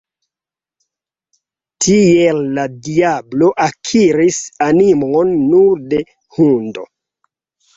Tiel la diablo akiris animon nur de hundo.